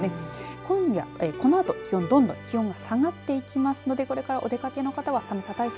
今夜、このあと気温どんどん下がっていきますのでこれからお出かけの方は寒さ対策